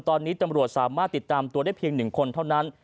ตอนนี้ตำรวจสามารถติดตามตัวได้เพียง๑คนเท่านั้น